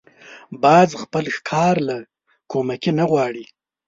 باز خپل ښکار له کومکي نه غواړي